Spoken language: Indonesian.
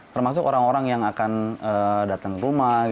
termasuk orang orang yang akan datang ke rumah